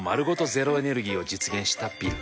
ゼロエネルギーを実現したビル。